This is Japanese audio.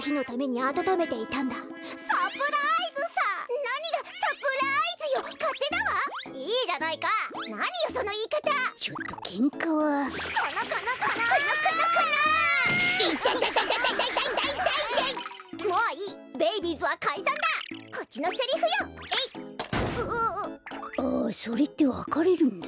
あっそれってわかれるんだ。